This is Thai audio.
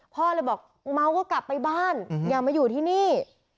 พ่อเลยบอกเมาก็กลับไปบ้านอย่ามาอยู่ที่นี่